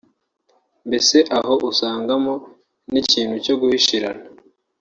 mbese aho usangamo n’ikintu cyo guhishirana